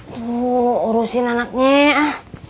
tuh urusin anaknya